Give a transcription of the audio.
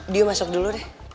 dio masuk dulu deh